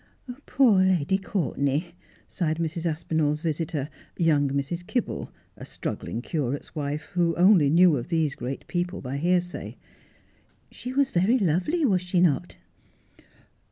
'Poor Lady Courtenay!' sighed Mrs. Aspinall's visitor, young Mrs. Kibble, a struggling curate's wife, who only knew of these great people by hearsay. ' She was very lovely, was she not?'